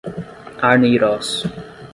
Arneiroz